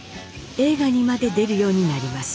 映画にまで出るようになります。